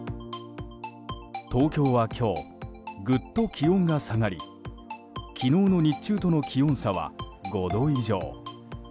東京は今日ぐっと気温が下がり昨日の日中との気温差は５度以上。